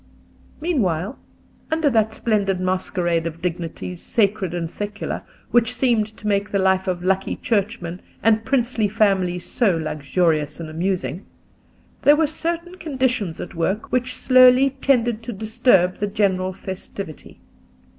Meanwhile, under that splendid masquerade of dignities sacred and secular which seemed to make the life of lucky Churchmen and princely families so luxurious and amusing, there were certain conditions at work which slowly tended to disturb the general festivity.